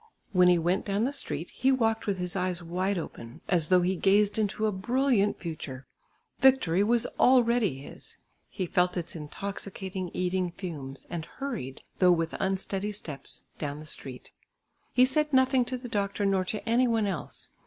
When he went down the street, he walked with his eyes wide open, as though he gazed into a brilliant future; victory was already his; he felt its intoxicating eating fumes, and hurried, though with unsteady steps, down the street. He said nothing to the doctor nor to any one else.